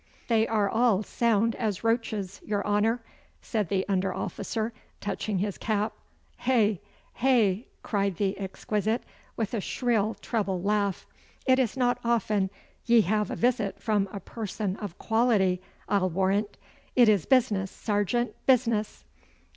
'They are all sound as roaches, your honour,' said the under officer, touching his cap. 'Heh, heh!' cried the exquisite, with a shrill treble laugh. 'It is not often ye have a visit from a person of quality, I'll warrant. It is business, sergeant, business!